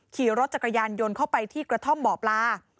ขี่รถจักรยานยนต์เข้าไปที่กระท่อมบ่อปลา